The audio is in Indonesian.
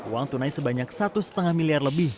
uang tunai sebanyak satu lima miliar lebih